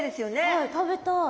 はい食べたい。